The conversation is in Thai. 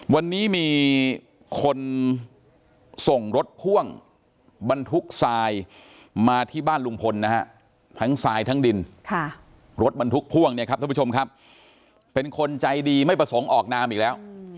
วันนี้มีคนส่งรถพ่วงบรรทุกทรายมาที่บ้านลุงพลนะฮะทั้งทรายทั้งดินรถบรรทุกพ่วงเนี่ยครับท่านผู้ชมครับเป็นคนใจดีไม่ประสงค์ออกนามอีกแล้ว